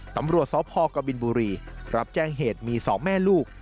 ตำรวจสพกบินบุรีรับแจ้งเหตุมี๒แม่ลูก